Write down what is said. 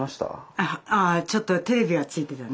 あちょっとテレビはついてたね。